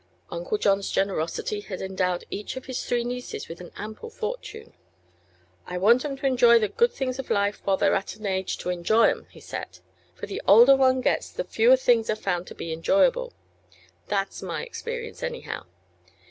Uncle John's generosity had endowed each of his three nieces with an ample fortune. "I want 'em to enjoy the good things of life while they're at an age to enjoy 'em," he said; "for the older one gets the fewer things are found to be enjoyable. That's my experience, anyhow."